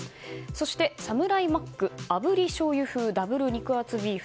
そして、サムライマック炙り醤油風ダブル肉厚ビーフ。